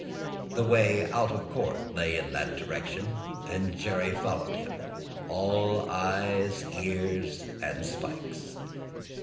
The way out of court lay in that direction, and Jerry followed him, all eyes, ears, and spikes.